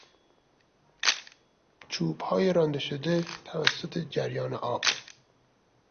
چوبهای رانده شده توسط جریان آب